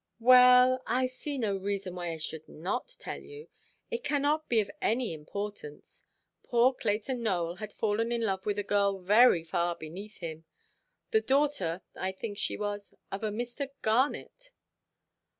"Well, I see no reason why I should not tell you. It cannot be of any importance. Poor Clayton Nowell had fallen in love with a girl very far beneath him—the daughter, I think she was, of a Mr. Garnet."